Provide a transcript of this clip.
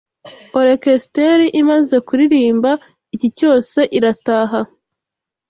orokestre imaze kuririmba icyi cyose irataha